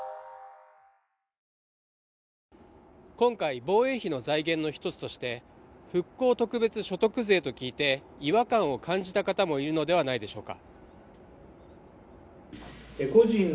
今回、防衛費の財源の一つとして復興特別所得税と聞いて、違和感を感じた方もいるのではないでしょうか。